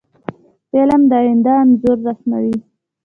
فلم د آینده انځور رسموي